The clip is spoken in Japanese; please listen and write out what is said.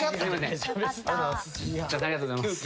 ありがとうございます。